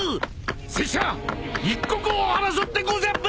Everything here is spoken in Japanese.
拙者一刻を争ってござブ！